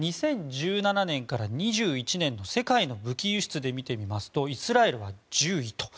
２０１７年から２１年の世界の武器輸出で見てみますとイスラエルは１０位と。